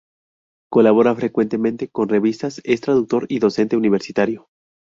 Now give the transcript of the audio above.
Colabora frecuentemente con revistas, es traductor y docente universitario.